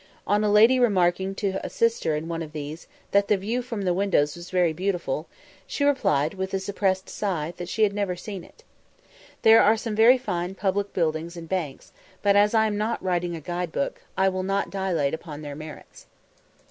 On a lady remarking to a sister in one of these, that the view from the windows was very beautiful, she replied, with a suppressed sigh, that she had never seen it. There are some very fine public buildings and banks; but as I am not writing a guide book, I will not dilate upon their merits.